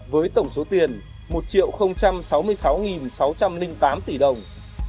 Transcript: với tổng số tiền một sáu mươi sáu sáu trăm linh tám tỷ đồng